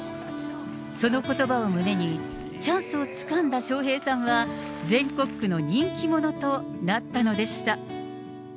そのことばを胸に、チャンスをつかんだ笑瓶さんは、全国区の人気者となったのでした。